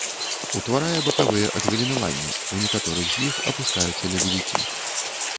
Утварае бакавыя адгалінаванні, у некаторых з іх апускаюцца ледавікі.